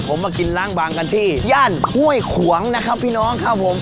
ผมมากินล้างบางกันที่ย่านห้วยขวงนะครับพี่น้องครับผม